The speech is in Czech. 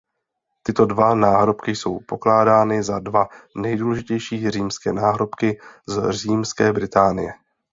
Tyto dva náhrobky jsou pokládány za dva nejdůležitější římské náhrobky z římské Británie.